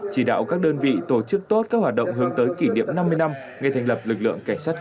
chỉ đạo các đơn vị tổ chức tốt các hoạt động hướng tới kỷ niệm năm mươi năm ngày thành lập lực lượng cảnh sát cơ